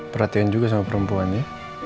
perhatian juga sama perempuan ya